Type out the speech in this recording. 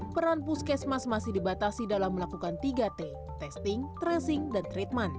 peran puskesmas masih dibatasi dalam melakukan tiga t testing tracing dan treatment